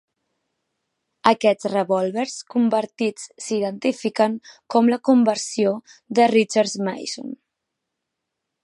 Aquests revòlvers convertits s'identifiquen com la "conversió de Richards-Mason".